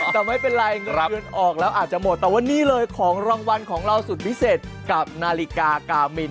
แต่ไม่เป็นไรเงินออกแล้วอาจจะหมดแต่ว่านี่เลยของรางวัลของเราสุดพิเศษกับนาฬิกากามิน